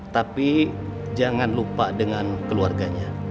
tapi jangan lupa dengan keluarganya